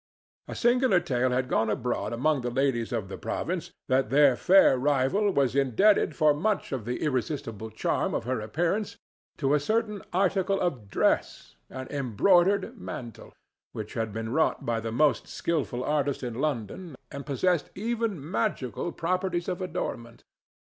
A singular tale had gone abroad among the ladies of the province that their fair rival was indebted for much of the irresistible charm of her appearance to a certain article of dress—an embroidered mantle—which had been wrought by the most skilful artist in London, and possessed even magical properties of adornment.